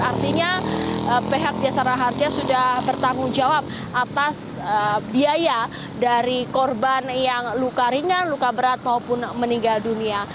artinya pihak jasara harja sudah bertanggung jawab atas biaya dari korban yang luka ringan luka berat maupun meninggal dunia